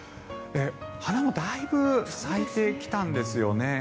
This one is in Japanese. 花もだいぶ咲いてきたんですよね。